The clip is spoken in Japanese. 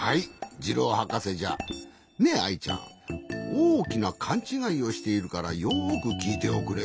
おおきなかんちがいをしているからよくきいておくれ。